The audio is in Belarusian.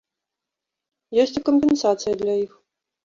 Ёсць і кампенсацыя для іх.